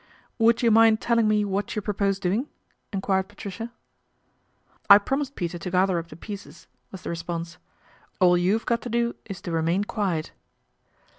" Would you mind telling me what you propose doing ?" enquired Patricia. " I promised Peter to gather up the pieces/' was the response. "All you've got to do is to remain quiet."